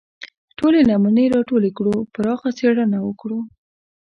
ټولې نمونې راټولې کړو پراخه څېړنه وکړو